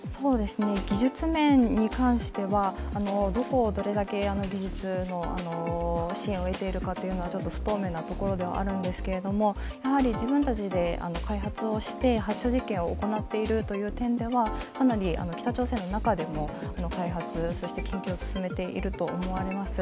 技術面に関しては、どこをどれだけ技術の支援を得ているのかというのはちょっと不透明なところではあるんですけども、自分たちで開発をして発射実験を行っているという点では、かなり北朝鮮の中でも開発、そして研究を進めていると思われます。